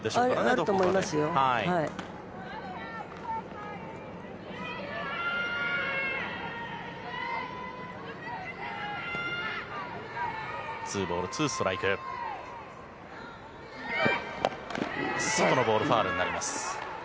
外のボールファウルになります。